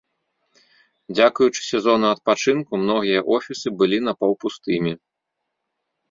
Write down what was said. Дзякуючы сезону адпачынку, многія офісы былі напаўпустымі.